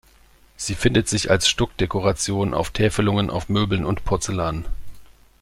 Sie findet sich als Stuckdekoration, auf Täfelungen, auf Möbeln und Porzellan.